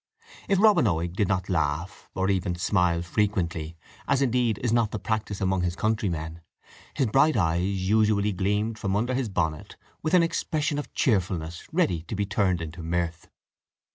If Robin Oig did not laugh, or even smile, frequently, as indeed is not the practice among his countrymen, his bright eyes usually gleamed from under his bonnet with an expression of cheerfulness ready to be turned into mirth.